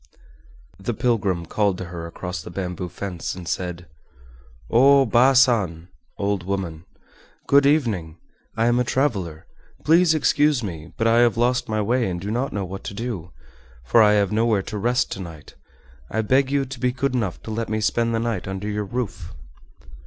The pilgrim called to her across the bamboo fence and said: "O Baa San (old woman), good evening! I am a traveler! Please excuse me, but I have lost my way and do not know what to do, for I have nowhere to rest to night. I beg you to be good enough to let me spend the night under your roof."